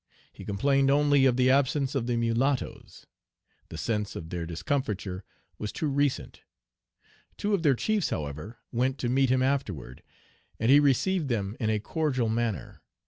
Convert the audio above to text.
He complained only of the absence of the mulattoes. The sense of their discomfiture was too recent. Two of their chiefs, however, went to meet him afterward, and he received them in a cordial manner.